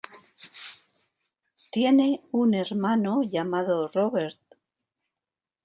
Tiene un hermano llamado Robert.